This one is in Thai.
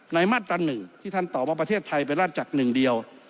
มาตรา๑ที่ท่านตอบว่าประเทศไทยเป็นราชจักรหนึ่งเดียว